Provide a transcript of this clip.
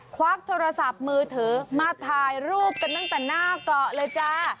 ควักโทรศัพท์มือถือมาถ่ายรูปกันตั้งแต่หน้าเกาะเลยจ้า